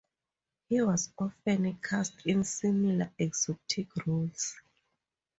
He was often cast in similar, exotic roles.